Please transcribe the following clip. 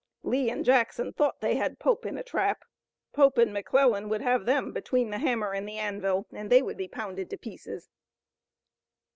Lee and Jackson thought they had Pope in a trap! Pope and McClellan would have them between the hammer and the anvil, and they would be pounded to pieces!